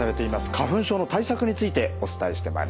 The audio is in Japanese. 花粉症の対策についてお伝えしてまいりました。